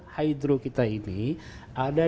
hydro kita ini ada